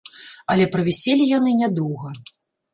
Але правіселі яны нядоўга.